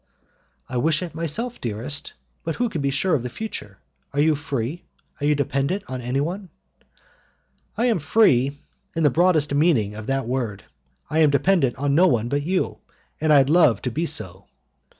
"I wish it myself, dearest, but who can be sure of the future? Are you free? Are you dependent on anyone?" "I am free in the broadest meaning of that word, I am dependent on no one but you, and I love to be so."